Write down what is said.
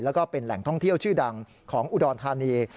แล้วก็เป็นแหล่งท่องเที่ยวชื่อดังของอุดรธานี